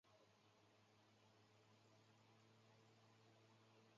给他一个小盒子